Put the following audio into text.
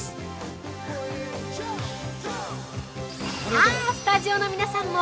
◆さあスタジオの皆さんも